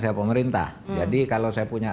saya pemerintah jadi kalau saya punya